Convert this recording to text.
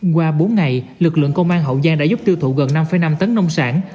qua bốn ngày lực lượng công an hậu giang đã giúp tiêu thụ gần năm năm tấn nông sản